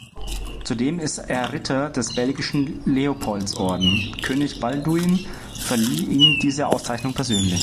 Zudem ist er Ritter des belgischen Leopoldsorden; König Balduin verlieh ihm diese Auszeichnung persönlich.